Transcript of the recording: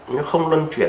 nó không luân chuyển